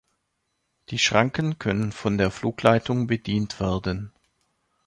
Die Schranken können von der Flugleitung bedient werden.